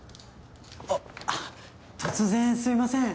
あっ突然すいません